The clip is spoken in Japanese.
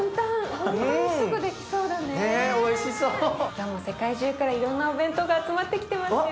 今日も世界中からいろんなお弁当が集まってきてますよ。